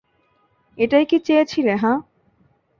এটাই কি চেয়েছিলে, হাহ?